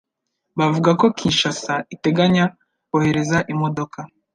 bavuga ko Kinshasa iteganya kohereza imodoka